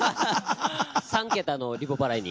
３桁のリボ払いに。